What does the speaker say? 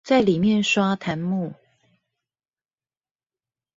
在裡面刷彈幕